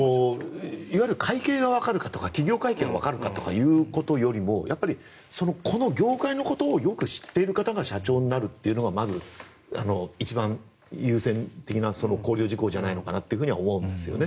いわゆる会計がわかるかとか企業会計がわかるかということよりもその業界のことをよく知っている方が社長になるっていうのがまず一番優先的な考慮事項じゃないかと思うんですね。